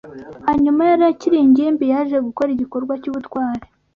Hanyuma yari akiri ingimbi yaje gukora igikorwa cy’ubutwari